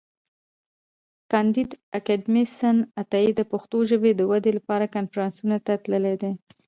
کانديد اکاډميسن عطایي د پښتو ژبي د ودي لپاره کنفرانسونو ته تللی دی.